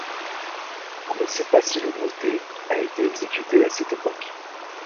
On ne sait pas si le motet a été exécuté à cette époque.